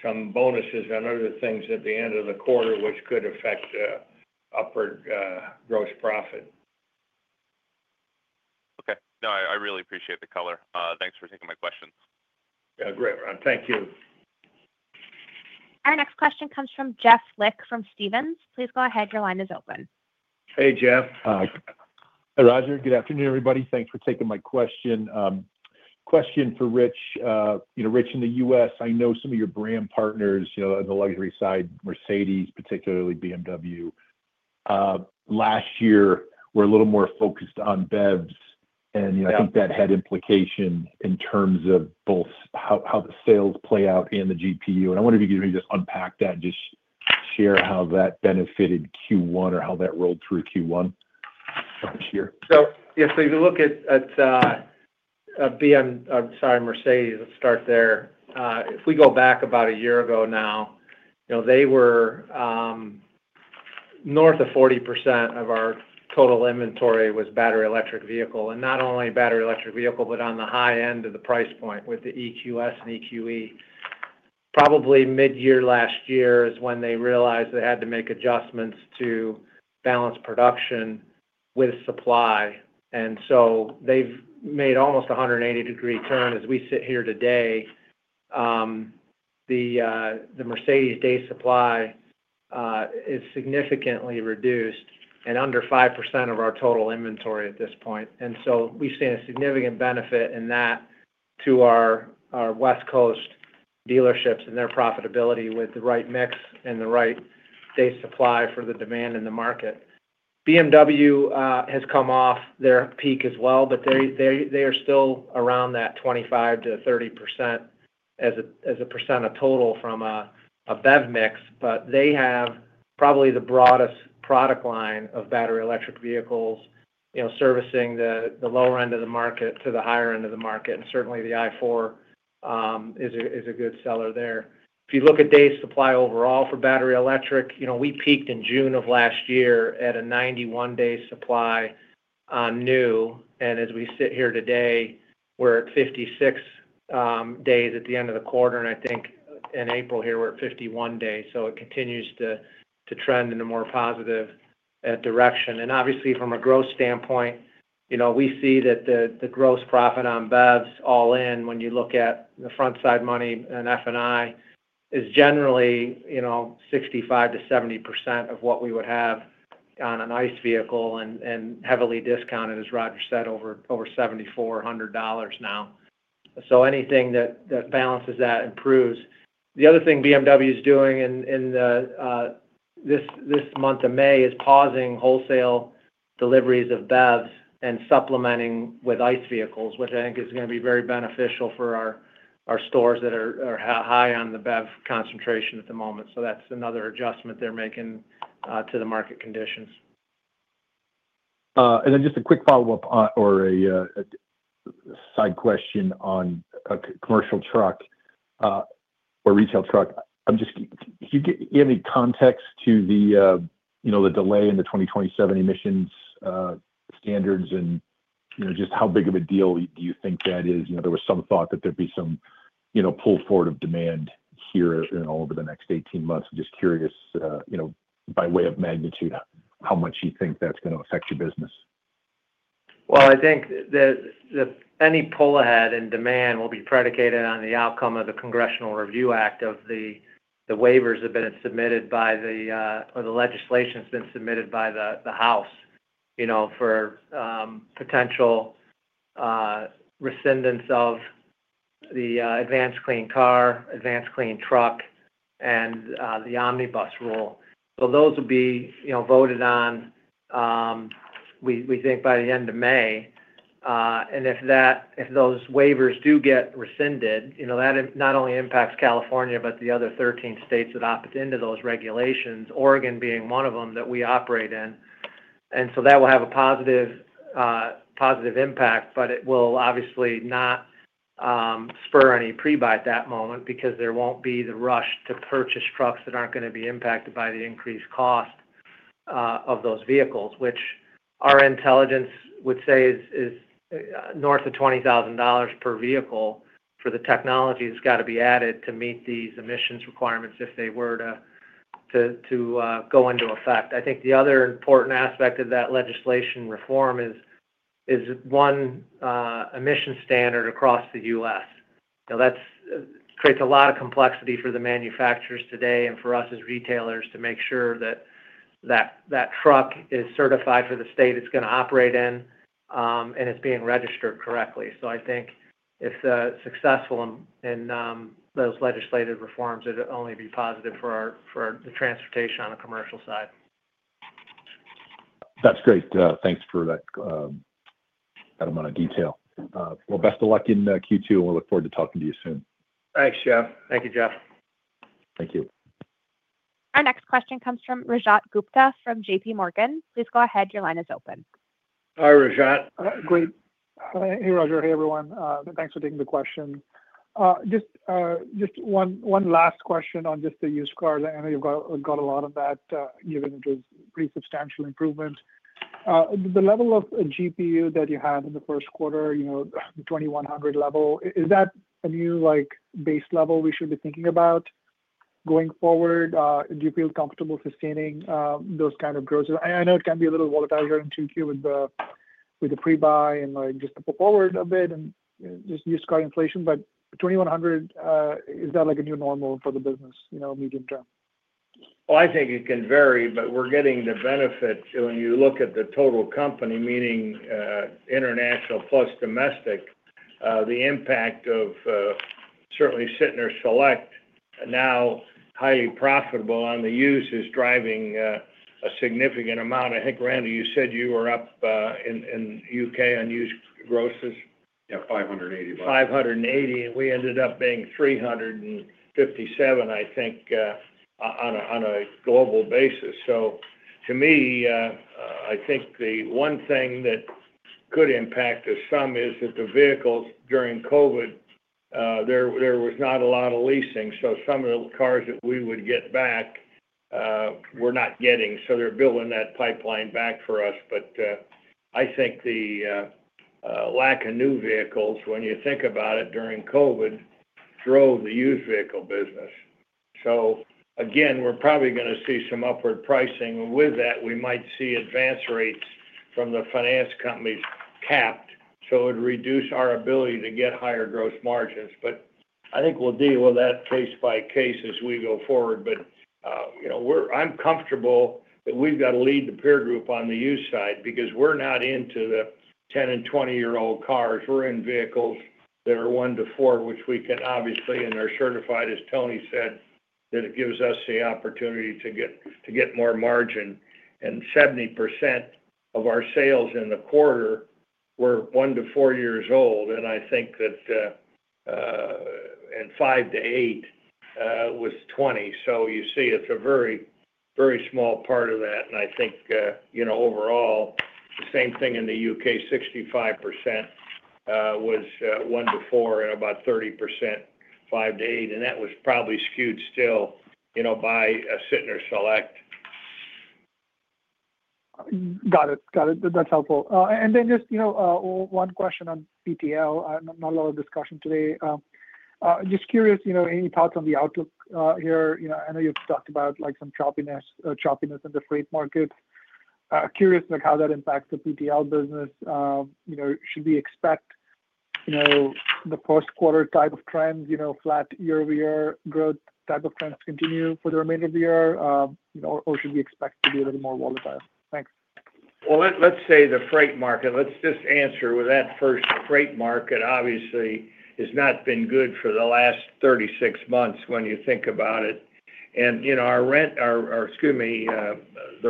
some bonuses and other things at the end of the quarter, which could affect upward gross profit. Okay. No, I really appreciate the color. Thanks for taking my questions. Yeah. Great, Ron. Thank you. Our next question comes from Jeff Lick from Stephens. Please go ahead. Your line is open. Hey, Jeff. Hi, Roger. Good afternoon, everybody. Thanks for taking my question. Question for Rich. Rich, in the U.S., I know some of your brand partners on the luxury side, Mercedes, particularly BMW. Last year, were a little more focused on BEVs. I think that had implications in terms of both how the sales play out and the GPU. I wonder if you could maybe just unpack that and just share how that benefited Q1 or how that rolled through Q1 last year. If you look at BMW—sorry, Mercedes, let's start there. If we go back about a year ago now, they were north of 40% of our total inventory was battery electric vehicle. Not only battery electric vehicle, but on the high end of the price point with the EQS and EQE. Probably mid-year last year is when they realized they had to make adjustments to balance production with supply. They have made almost a 180-degree turn. As we sit here today, the Mercedes day supply is significantly reduced and under 5% of our total inventory at this point. We have seen a significant benefit in that to our West Coast dealerships and their profitability with the right mix and the right day supply for the demand in the market. BMW has come off their peak as well, but they are still around that 25-30% as a percent of total from a BEV mix. They have probably the broadest product line of battery electric vehicles servicing the lower end of the market to the higher end of the market. Certainly, the i4 is a good seller there. If you look at day supply overall for battery electric, we peaked in June of last year at a 91-day supply on new. As we sit here today, we're at 56 days at the end of the quarter. I think in April here, we're at 51 days. It continues to trend in a more positive direction. Obviously, from a gross standpoint, we see that the gross profit on BEVs all in, when you look at the front-side money and F&I, is generally 65%-70% of what we would have on an ICE vehicle and heavily discounted, as Roger said, over $7,400 now. Anything that balances that improves. The other thing BMW is doing in this month of May is pausing wholesale deliveries of BEVs and supplementing with ICE vehicles, which I think is going to be very beneficial for our stores that are high on the BEV concentration at the moment. That is another adjustment they're making to the market conditions. Just a quick follow-up or a side question on a commercial truck or retail truck. Can you give me context to the delay in the 2027 emissions standards and just how big of a deal do you think that is? There was some thought that there'd be some pull forward of demand here and all over the next 18 months. Just curious, by way of magnitude, how much you think that's going to affect your business. I think that any pull ahead in demand will be predicated on the outcome of the Congressional Review Act of the waivers that have been submitted by the or the legislation that's been submitted by the House for potential rescindence of the advanced clean car, advanced clean truck, and the omnibus rule. Those will be voted on, we think, by the end of May. If those waivers do get rescinded, that not only impacts California, but the other 13 states that opt into those regulations, Oregon being one of them that we operate in. That will have a positive impact, but it will obviously not spur any pre-buy at that moment because there will not be the rush to purchase trucks that are not going to be impacted by the increased cost of those vehicles, which our intelligence would say is north of $20,000 per vehicle for the technology that has to be added to meet these emissions requirements if they were to go into effect. I think the other important aspect of that legislation reform is one emission standard across the U.S. That creates a lot of complexity for the manufacturers today and for us as retailers to make sure that that truck is certified for the state it is going to operate in and it is being registered correctly. I think if successful in those legislative reforms, it would only be positive for the transportation on the commercial side. That's great. Thanks for that amount of detail. Best of luck in Q2, and we look forward to talking to you soon. Thanks, Jeff. Thank you, Jeff. Thank you. Our next question comes from Rajat Gupta from JPMorgan. Please go ahead. Your line is open. Hi, Rajat. Great. Hey, Roger. Hey, everyone. Thanks for taking the question. Just one last question on just the used cars. I know you've got a lot of that given it was a pretty substantial improvement. The level of GPU that you had in the first quarter, the $2,100 level, is that a new base level we should be thinking about going forward? Do you feel comfortable sustaining those kinds of growth? I know it can be a little volatile here in Q2 with the pre-buy and just the pull forward a bit and just used car inflation. But $2,100, is that a new normal for the business medium term? I think it can vary, but we're getting the benefit when you look at the total company, meaning international plus domestic, the impact of certainly Sytner Select, now highly profitable on the used, is driving a significant amount. I think, Randy, you said you were up in the U.K. on used grosses? Yeah, $580. 580. We ended up being 357, I think, on a global basis. To me, I think the one thing that could impact us some is that the vehicles during COVID, there was not a lot of leasing. Some of the cars that we would get back, we're not getting. They are building that pipeline back for us. I think the lack of new vehicles, when you think about it during COVID, drove the used vehicle business. Again, we're probably going to see some upward pricing. With that, we might see advance rates from the finance companies capped. It would reduce our ability to get higher gross margins. I think we'll deal with that case by case as we go forward. I'm comfortable that we've got a lead to peer group on the used side because we're not into the 10- and 20-year-old cars. We're in vehicles that are one to four, which we can obviously, and they're certified, as Tony said, that it gives us the opportunity to get more margin. 70% of our sales in the quarter were 1-4 years old. I think that and 5-8 was 20%. You see it's a very, very small part of that. I think overall, the same thing in the U.K., 65% was 1-4 and about 30% 5-8. That was probably skewed still by Sytner Select. Got it. Got it. That's helpful. Just one question on PTL. Not a lot of discussion today. Just curious, any thoughts on the outlook here? I know you've talked about some choppiness in the freight market. Curious how that impacts the PTL business. Should we expect the first quarter type of trend, flat year-over-year growth type of trends to continue for the remainder of the year, or should we expect to be a little more volatile? Thanks. Let's say the freight market. Let's just answer with that first. Freight market, obviously, has not been good for the last 36 months when you think about it. Our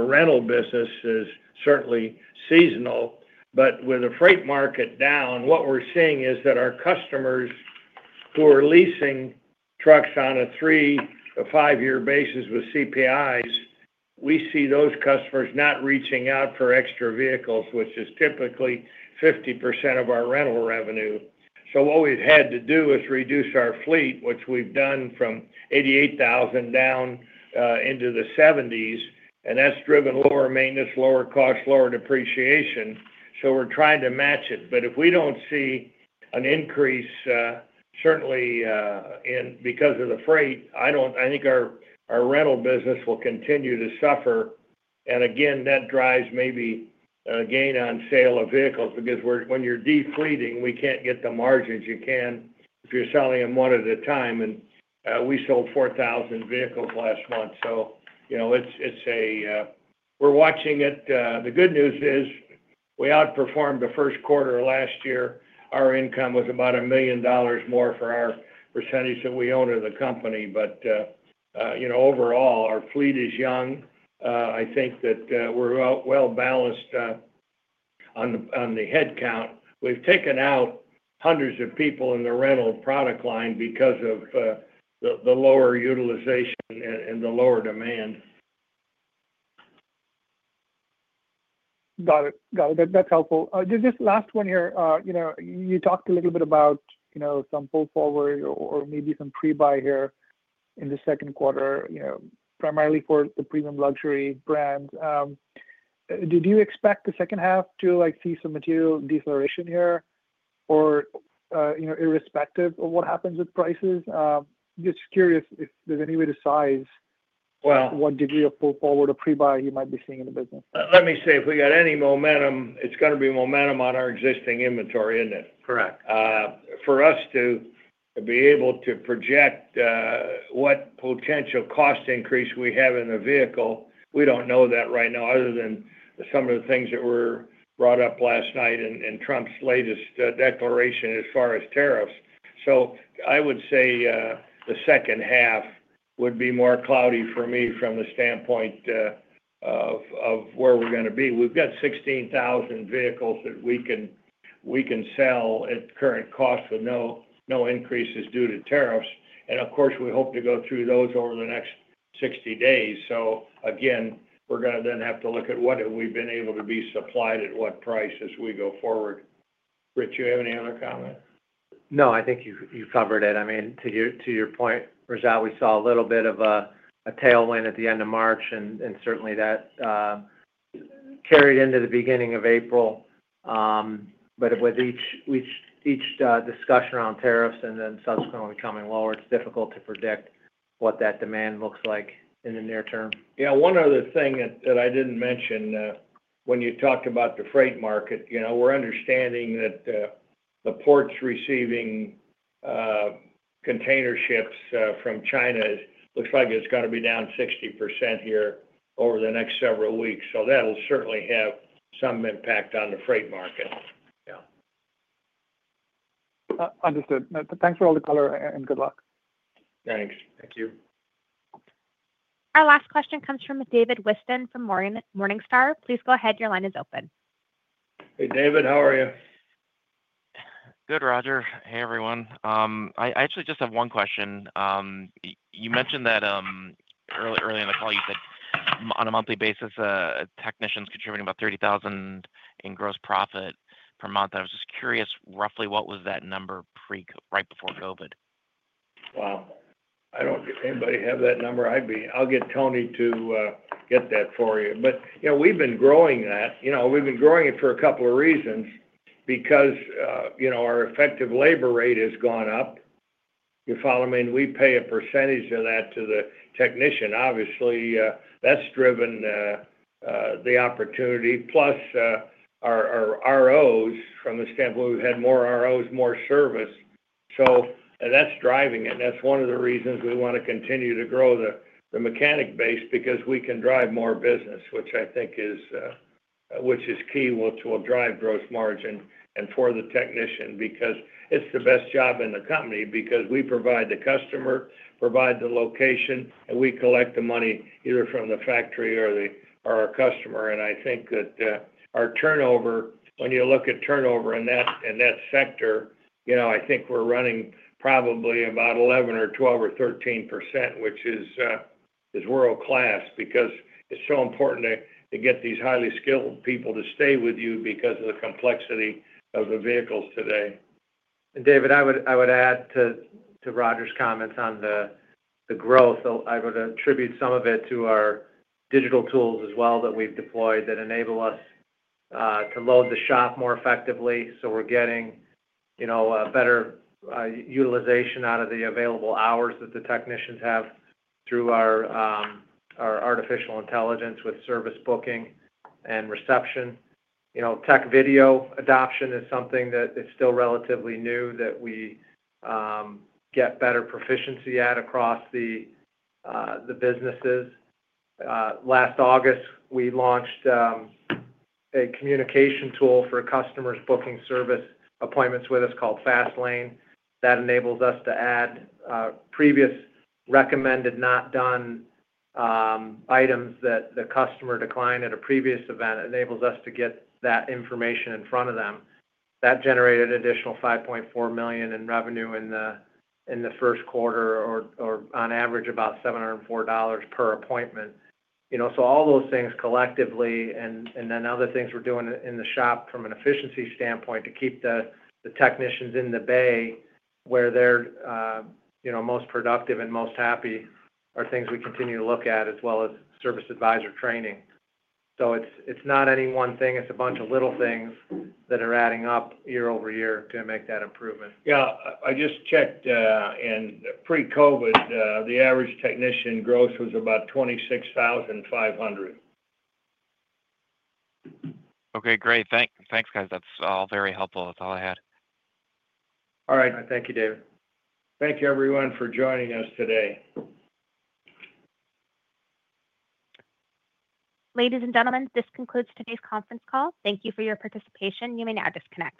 rental business is certainly seasonal. With the freight market down, what we're seeing is that our customers who are leasing trucks on a 3- to 5-year basis with CPIs, we see those customers not reaching out for extra vehicles, which is typically 50% of our rental revenue. What we've had to do is reduce our fleet, which we've done from 88,000 down into the 70s. That has driven lower maintenance, lower cost, lower depreciation. We're trying to match it. If we do not see an increase, certainly because of the freight, I think our rental business will continue to suffer. That drives maybe a gain on sale of vehicles because when you're defleeting, we can't get the margins you can if you're selling them one at a time. We sold 4,000 vehicles last month. We are watching it. The good news is we outperformed the first quarter last year. Our income was about $1 million more for our percentage that we own of the company. Overall, our fleet is young. I think that we are well balanced on the headcount. We have taken out hundreds of people in the rental product line because of the lower utilization and the lower demand. Got it. Got it. That's helpful. Just this last one here, you talked a little bit about some pull forward or maybe some pre-buy here in the second quarter, primarily for the premium luxury brands. Did you expect the second half to see some material deceleration here or irrespective of what happens with prices? Just curious if there's any way to size what degree of pull forward or pre-buy you might be seeing in the business. Let me see. If we got any momentum, it's going to be momentum on our existing inventory, isn't it? Correct. For us to be able to project what potential cost increase we have in the vehicle, we don't know that right now other than some of the things that were brought up last night and Trump's latest declaration as far as tariffs. I would say the second half would be more cloudy for me from the standpoint of where we're going to be. We've got 16,000 vehicles that we can sell at current cost with no increases due to tariffs. Of course, we hope to go through those over the next 60 days. Again, we're going to then have to look at what have we been able to be supplied at what price as we go forward. Rich, do you have any other comment? No, I think you covered it. I mean, to your point, Rajat, we saw a little bit of a tailwind at the end of March, and certainly that carried into the beginning of April. With each discussion around tariffs and then subsequently coming lower, it's difficult to predict what that demand looks like in the near term. Yeah. One other thing that I didn't mention, when you talked about the freight market, we're understanding that the ports receiving container ships from China looks like it's going to be down 60% here over the next several weeks. That'll certainly have some impact on the freight market. Yeah. Understood. Thanks for all the color and good luck. Thanks. Thank you. Our last question comes from David Whiston from Morningstar. Please go ahead. Your line is open. Hey, David. How are you? Good, Roger. Hey, everyone. I actually just have one question. You mentioned that early in the call, you said on a monthly basis, technicians contributing about $30,000 in gross profit per month. I was just curious, roughly what was that number right before COVID? Wow. I don't think anybody has that number. I'll get Tony to get that for you. We've been growing that. We've been growing it for a couple of reasons because our effective labor rate has gone up. You follow me? We pay a percentage of that to the technician. Obviously, that's driven the opportunity, plus our ROs from the standpoint we've had more ROs, more service. That's driving it. That's one of the reasons we want to continue to grow the mechanic base because we can drive more business, which I think is key, which will drive gross margin and for the technician because it's the best job in the company because we provide the customer, provide the location, and we collect the money either from the factory or our customer. I think that our turnover, when you look at turnover in that sector, I think we're running probably about 11% or 12% or 13%, which is world-class because it's so important to get these highly skilled people to stay with you because of the complexity of the vehicles today. David, I would add to Roger's comments on the growth. I would attribute some of it to our digital tools as well that we've deployed that enable us to load the shop more effectively. We are getting a better utilization out of the available hours that the technicians have through our artificial intelligence with service booking and reception. Tech video adoption is something that is still relatively new that we get better proficiency at across the businesses. Last August, we launched a communication tool for customers booking service appointments with us called FastLane that enables us to add previous recommended not done items that the customer declined at a previous event. It enables us to get that information in front of them. That generated an additional $5.4 million in revenue in the first quarter or on average about $704 per appointment. All those things collectively and then other things we're doing in the shop from an efficiency standpoint to keep the technicians in the bay where they're most productive and most happy are things we continue to look at as well as service advisor training. It's not any one thing. It's a bunch of little things that are adding up year-over-year to make that improvement. Yeah. I just checked in pre-COVID, the average technician gross was about $26,500. Okay. Great. Thanks, guys. That's all very helpful. That's all I had. All right. Thank you, David. Thank you, everyone, for joining us today. Ladies and gentlemen, this concludes today's conference call. Thank you for your participation. You may now disconnect.